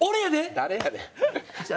誰やねん。